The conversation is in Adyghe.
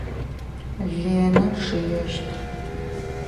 Ленэ чъыещт.